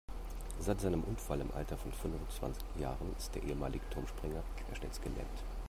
Seit seinem Unfall im Alter von fünfundzwanzig Jahren ist der ehemalige Turmspringer querschnittsgelähmt.